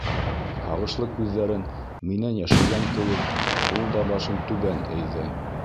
Һағышлы күҙҙәрен минән йәшергән кеүек, ул да башын түбән эйҙе.